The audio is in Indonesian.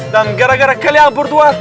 dan gara gara kalian berdua